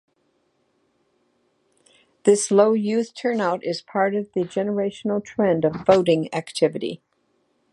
This low youth turnout is part of the generational trend of voting activity.